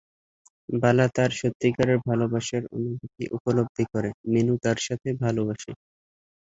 বালা তার সত্যিকারের ভালবাসার অনুভূতি উপলব্ধি করে, মেনু তার সাথে ভালবাসে।